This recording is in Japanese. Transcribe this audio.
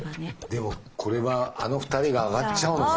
でもこれはあの２人があがっちゃうのかな？